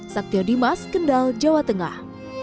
saktio dimas kendal jawa tengah